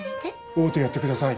会うてやってください。